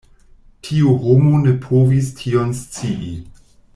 Tiu homo ne povis tion scii.